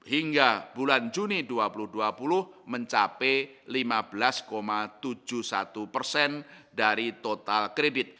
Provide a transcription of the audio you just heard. hingga bulan juni dua ribu dua puluh mencapai lima belas tujuh puluh satu persen dari total kredit